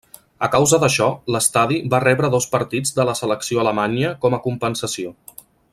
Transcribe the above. A causa d'això, l'estadi va rebre dos partits de la selecció alemanya com a compensació.